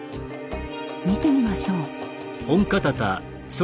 見てみましょう。